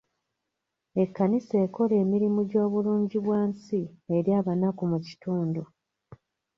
Ekkanisa ekola emirimu gy'obulungi bwansi eri abanaku mu kitundu.